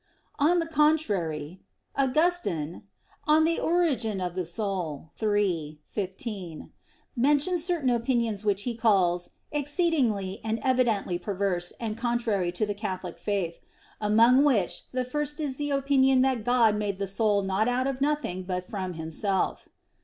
On the contrary, Augustine (De Orig. Animae iii, 15) mentions certain opinions which he calls "exceedingly and evidently perverse, and contrary to the Catholic Faith," among which the first is the opinion that "God made the soul not out of nothing, but from Himself."